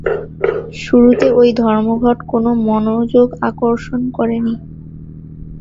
শুরুতে ঐ ধর্মঘট কোন মনোযোগ আকর্ষণ করেনি।